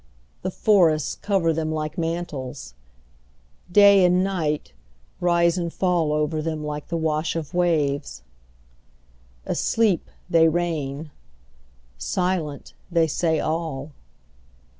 The forests cover them like mantles; Day and night Rise and fall over them like the wash of waves. Asleep, they reign. Silent, they say all.